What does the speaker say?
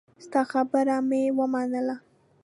ستا خبره مې ومنله.